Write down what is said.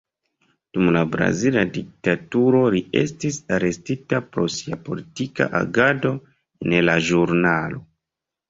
Dum la brazila diktaturo, li estis arestita pro sia politika agado en la ĵurnalo.